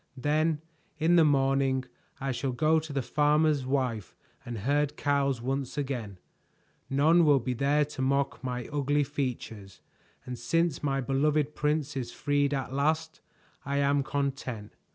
"Then in the morning I shall go to the farmer's wife and herd cows once again. None will be there to mock my ugly features, and since my beloved prince is freed at last, I am content."